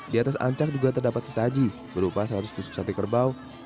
di atas ancak juga terdapat sesaji berupa seratus tusuk sate kerbau